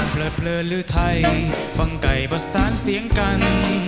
เลินหรือไทยฟังไก่ประสานเสียงกัน